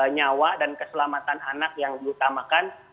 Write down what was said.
nyawa dan keselamatan anak yang diutamakan